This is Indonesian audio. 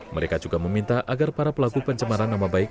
mereka juga meminta agar para pelaku pencemaran nama baik